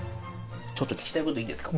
ちょっと聞きたい事いいですか？